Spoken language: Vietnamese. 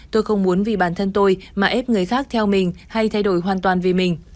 tôi không muốn vì bản thân tôi mà ép người khác theo mình hay thay đổi hoàn toàn vì mình